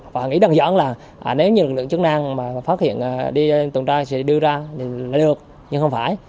và nghĩ đơn giản là nếu như lực lượng chức năng mà phát hiện đi tuần tra sẽ đưa ra thì nó được nhưng không phải